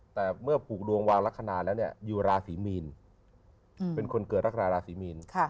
แต่เมื่อผูกดวงวาวลักษณะแล้วอยู่ราศีมีนเป็นคนเกิดลักษณะราศีมีน